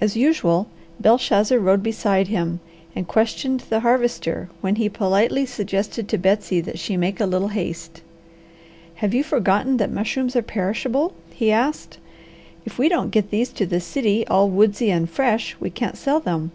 As usual, Belshazzar rode beside him and questioned the Harvester when he politely suggested to Betsy that she make a little haste. "Have you forgotten that mushrooms are perishable?" he asked. "If we don't get these to the city all woodsy and fresh we can't sell them.